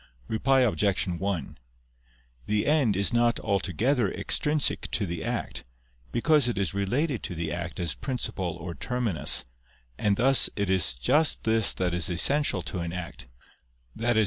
Reply Obj. 1: The end is not altogether extrinsic to the act, because it is related to the act as principle or terminus; and thus it just this that is essential to an act, viz.